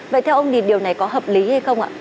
vậy theo ông thì điều này có hợp lý hay không ạ